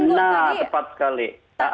nah tepat sekali